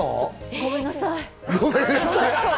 ごめんなさい。